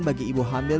bagi ibu hamil